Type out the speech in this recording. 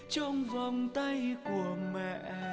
trong vòng tay của mẹ